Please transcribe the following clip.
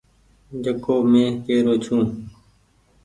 جڪو مين ڪي رو ڇون۔